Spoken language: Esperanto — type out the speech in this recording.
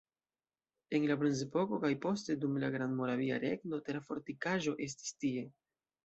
En la bronzepoko kaj poste dum la Grandmoravia Regno tera fortikaĵo estis tie.